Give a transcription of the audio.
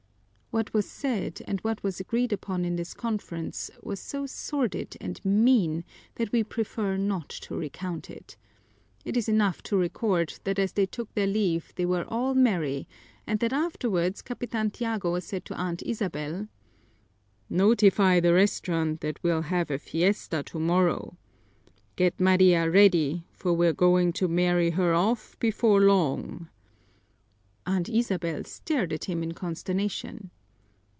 What was said and what was agreed upon in this conference was so sordid and mean that we prefer not to recount it. It is enough to record that as they took their leave they were all merry, and that afterwards Capitan Tiago said to Aunt Isabel: "Notify the restaurant that we'll have a fiesta tomorrow. Get Maria ready, for we're going to marry her off before long." Aunt Isabel stared at him in consternation.